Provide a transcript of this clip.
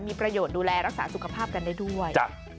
มีประโยชน์ดูแลรักษาสุขภาพกันได้ด้วย